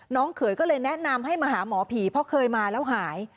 เขยก็เลยแนะนำให้มาหาหมอผีเพราะเคยมาแล้วหาย